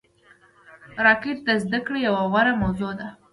راکټ د زده کړې یوه غوره موضوع ده